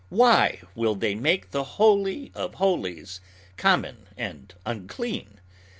Why will they make the Holy of Holies common and unclean?